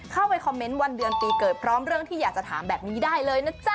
เข้าไปคอมเมนต์วันเดือนปีเกิดพร้อมเรื่องที่อยากจะถามแบบนี้ได้เลยนะจ๊ะ